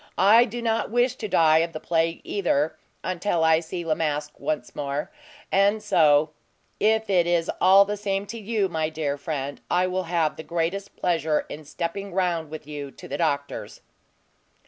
I do not wish to die of the plague, either, until I see La Masque once more; and so if it is all the same to you, my dear friend, I will have the greatest pleasure in stepping round with you to the doctor's."